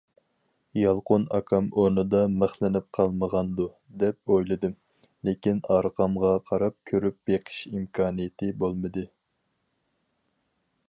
يالقۇن ئاكام ئورنىدا مىخلىنىپ قالمىغاندۇ دەپ ئويلىدىم، لېكىن ئارقامغا قاراپ كۆرۈپ بېقىش ئىمكانىيىتى بولمىدى.